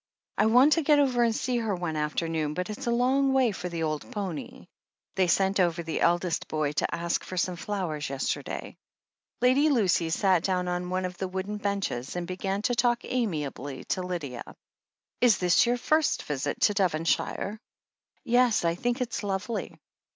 I want to get over and see her one afternoon, but it's a long way for the old pony. They sent over the eldest boy to ask for some flowers yesterday." Lady Lucy sat down on one of the wooden benches, and began to talk amiably to Lydia. "Is this your first visit to Devonshire?" "Yes. I think it's lovely."